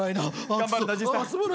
頑張れじいさん。